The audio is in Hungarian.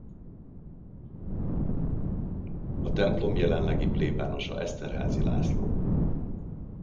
A templom jelenlegi plébánosa Esterházy László.